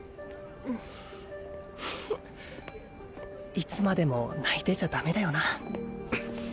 いつまでも泣いてちゃダメだよな